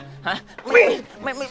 mày mày mày